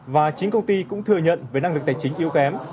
và chính công ty cũng thừa nhận với năng lực tài chính yếu kém